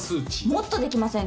「もっとできません。